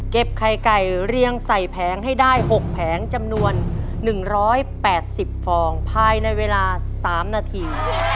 เก็บไข่ไก่เรียงใส่แผงให้ได้หกแผงจำนวนหนึ่งร้อยแปดสิบฟองภายในเวลาสามนาที